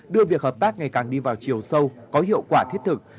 đưa việc hợp tác ngày càng đi vào chiều sâu có hiệu quả thiết thực